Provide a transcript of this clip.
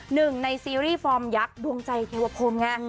หนึ่งในซีรีส์ฟอร์มยักษ์ดวงใจเทวคมไง